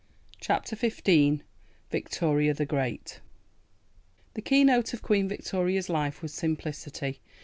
CHAPTER XV: Victoria the Great The keynote of Queen Victoria's life was simplicity.